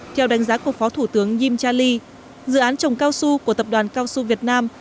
theo đánh giá của phó thủ tướng jim charlie dự án trồng cao su của tập đoàn cao su việt nam